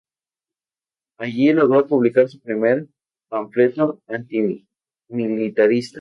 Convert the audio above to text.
Allí logró publicar su primer panfleto antimilitarista.